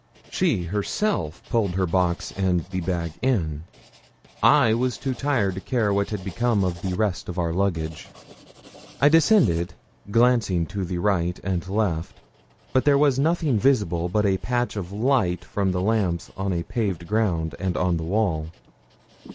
She, herself, pulled her box and the bag in. I was too tired to care what had become of the rest of our luggage. I descended, glancing to the right and left, but there was nothing visible but a patch of light from the lamps on a paved ground and on the wall.